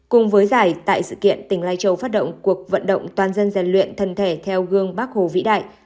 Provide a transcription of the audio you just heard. cùng với giải tại sự kiện tỉnh lai châu phát động cuộc vận động toàn dân gian luyện thân thể theo gương bác hồ vĩ đại